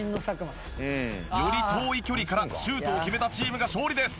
より遠い距離からシュートを決めたチームが勝利です。